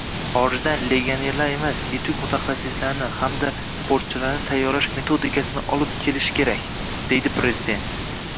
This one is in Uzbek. “Xorijdan legionerlar emas, yetuk mutaxassislarni hamda sportchilarni tayyorlash metodikasini olib kelish kerak” — deydi Prezident